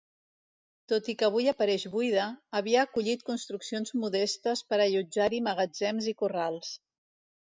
Tot i que avui apareix buida, havia acollit construccions modestes per allotjar-hi magatzems i corrals.